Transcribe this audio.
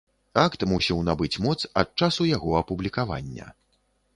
Акт мусіў набыць моц ад часу яго апублікавання.